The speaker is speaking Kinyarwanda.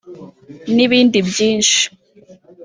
N’ibindi byinshi